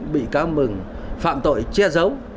bị cáo mừng phạm tội che giấu